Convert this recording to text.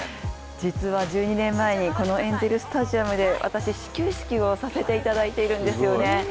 実は１２年前に、このエンゼルスタジアムで私、始球式をさせていただいているんですよね。